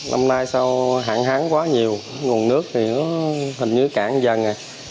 năm nay sao hạn hán quá nhiều nguồn nước thì nó hình như cạn dần